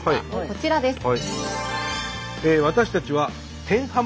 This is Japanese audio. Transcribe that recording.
こちらです。